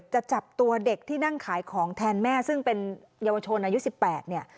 จะจับตัวเด็กที่นั่งขายของแทนแม่ซึ่งเป็นเยาวชนอายุ๑๘เนี่ย